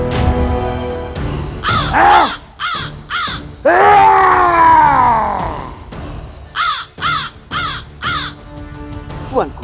kau pikir aku akan membiarkanmu